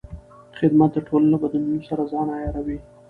خدمت د ټولنې له بدلونونو سره ځان عیاروي.